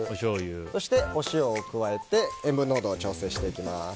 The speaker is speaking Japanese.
そしてお塩を加えて塩分濃度を調整していきます。